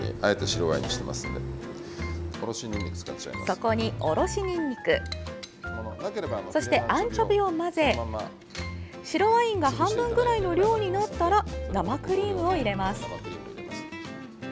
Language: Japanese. そこに、おろしにんにくそして、アンチョビを混ぜて白ワインが半分くらいの量になったら生クリームを入れます。